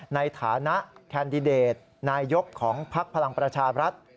ในฐานะแคนดิเดตนายกของพักพลังประชาบรัฐ